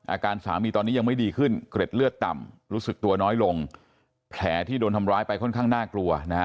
อาการสามีตอนนี้ยังไม่ดีขึ้นเกร็ดเลือดต่ำรู้สึกตัวน้อยลงแผลที่โดนทำร้ายไปค่อนข้างน่ากลัวนะฮะ